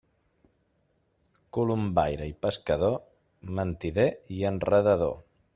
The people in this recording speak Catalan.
Colombaire i pescador, mentider i enredador.